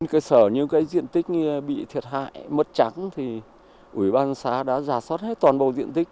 cây sở như cái diện tích bị thiệt hại mất trắng thì ủy ban xá đã giả sốt hết toàn bộ diện tích